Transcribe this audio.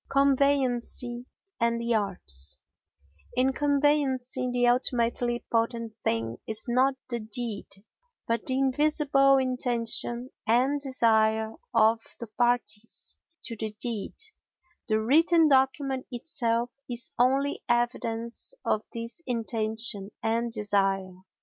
Conveyancing and the Arts In conveyancing the ultimately potent thing is not the deed but the invisible intention and desire of the parties to the deed; the written document itself is only evidence of this intention and desire.